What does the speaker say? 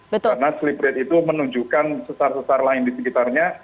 karena sleep rate itu menunjukkan sesar sesar lain di sekitarnya